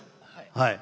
はい。